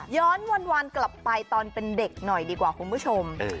วันกลับไปตอนเป็นเด็กหน่อยดีกว่าคุณผู้ชม